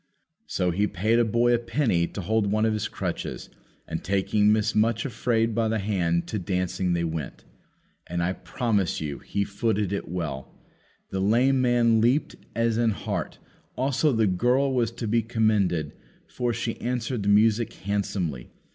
So he paid a boy a penny to hold one of his crutches, and, taking Miss Much afraid by the hand, to dancing they went. And, I promise you he footed it well; the lame man leaped as an hart; also the girl was to be commended, for she answered the music handsomely.